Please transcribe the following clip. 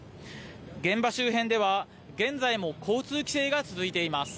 現場周辺では、現在も交通規制が続いています。